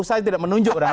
saya tidak menunjukkan